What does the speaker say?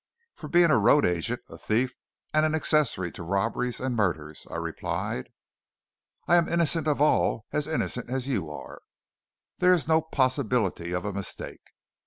"For being a road agent, a thief, and an accessory to robberies and murders," I replied. "I am innocent of all as innocent as you are." "There is no possibility of a mistake."